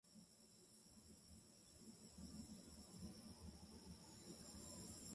Escipión marchó toda la noche y cayó sobre los íberos apenas de madrugada.